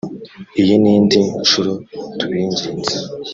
iyi ni indi nshuro tubinginze